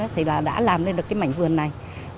thì đã làm được cái mảnh vườn này